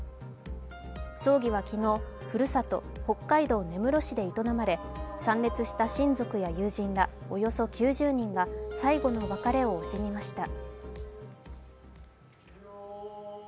葬儀は昨日、ふるさと・北海道根室市で営まれ参列した親族や友人らおよそ９０人が最後の別れを惜しみました。